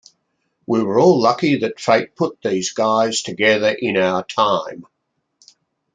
We were all lucky that fate put these guys together in our time.